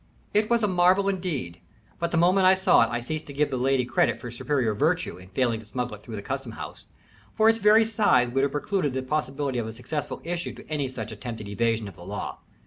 It was a marvel, indeed, but the moment I saw it I ceased to give the lady credit for superior virtue in failing to smuggle it through the custom house, for its very size would have precluded the possibility of a successful issue to any such attempted evasion of the law.